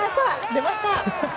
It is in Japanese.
出ました。